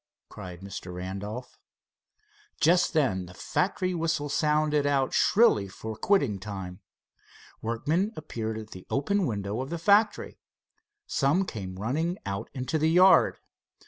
cried Mr. Randolph. Just then the factory whistle sounded out shrilly for quitting time. Workmen appeared at the open windows of the factor. Some came running out into the yard.